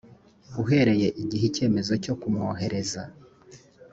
uhereye igihe icyemezo cyo kumwohereza